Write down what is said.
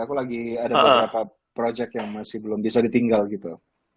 ada beberapa project yang masih belum bisa ditinggal gitu